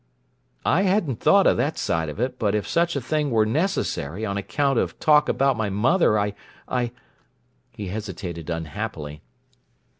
"I hadn't thought of that side of it, but if such a thing were necessary on account of talk about my mother, I—I—" He hesitated unhappily.